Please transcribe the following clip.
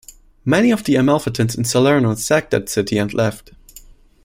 Many of the Amalfitans in Salerno sacked that city and left.